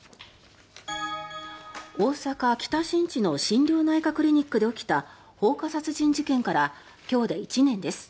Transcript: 大阪・北新地の心療内科クリニックで起きた放火殺人事件から今日で１年です。